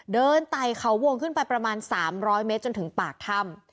ไต่เขาวงขึ้นไปประมาณ๓๐๐เมตรจนถึงปากถ้ำ